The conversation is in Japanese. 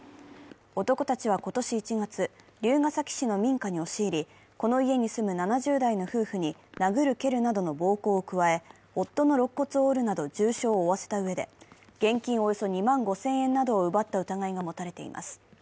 男たちは今年１月、龍ケ崎市の民家に押し入り、この家に住む７０代の夫婦に殴るけるなどの暴行を加え、夫のろっ骨を折るなど重傷を負わせたうえで現金およそ２万５０００円などを奪った疑いが持たれています。